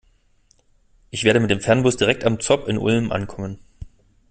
Ich werde mit dem Fernbus direkt am ZOB in Ulm ankommen.